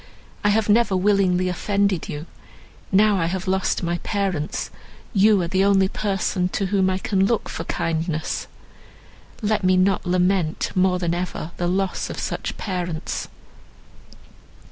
I have never willingly offended you; now I have lost my parents, you are the only person to whom I can look for kindness. Let me not lament more than ever the loss of such parents."